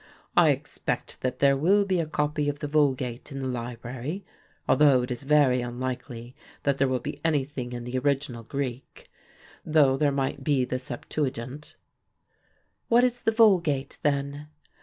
I expect that there will be a copy of the Vulgate in the library; although it is very unlikely that there will be anything in the original Greek; though there might be the Septuagint." "What is the Vulgate then?"